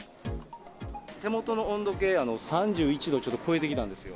手元の温度計、３１度ちょっと超えてきたんですよ。